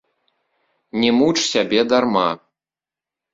Не муч сябе дарма.